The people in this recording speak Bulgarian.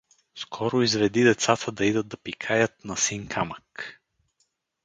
Скоро изведи децата да идат да пикаят на син камък.